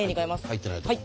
入ってないとこ。